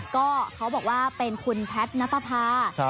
ก็เขาบอกว่าเป็นคุณแพทนัพพา